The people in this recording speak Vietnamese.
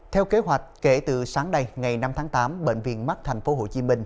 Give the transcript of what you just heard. theo kế hoạch kể từ sáng nay ngày năm tháng tám bệnh viện mắt tp hcm